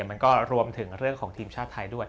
มันก็รวมถึงเรื่องของทีมชาติไทยด้วย